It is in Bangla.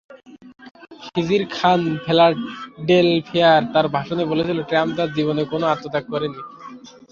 খিজির খান ফিলাডেলফিয়ায় তাঁর ভাষণে বলেছিলেন, ট্রাম্প তাঁর জীবনে কোনো আত্মত্যাগ করেননি।